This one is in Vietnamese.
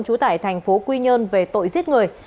trú tại thành phố quy nhơn về tội giết người